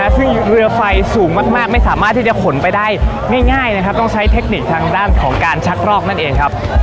ซึ่งเรือไฟสูงมากไม่สามารถที่จะขนไปได้ง่ายนะครับต้องใช้เทคนิคทางด้านของการชักรอกนั่นเองครับ